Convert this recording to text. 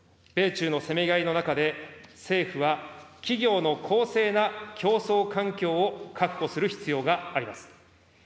米中のせめぎ合いの中で、政府は企業の公正な競争環境を確保する必要があります。